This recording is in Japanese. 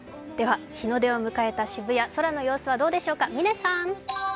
日の出を迎えた渋谷空の様子はどうでしょうか。